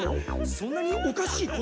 そんなにおかしいことか？